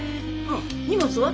荷物は？